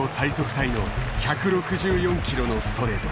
タイの１６４キロのストレート。